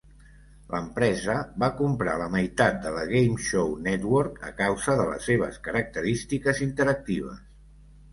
L'empresa va comprar la meitat de la Game Show Network a causa de les seves característiques interactives.